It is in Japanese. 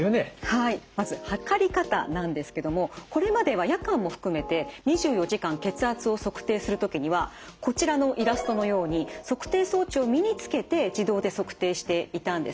はいまず測り方なんですけどもこれまでは夜間も含めて２４時間血圧を測定する時にはこちらのイラストのように測定装置を身につけて自動で測定していたんですね。